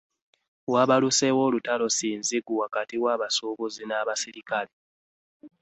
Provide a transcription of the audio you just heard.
Waabaluseewo olutalo sinzigu wakati wabasubuzi na baserikale.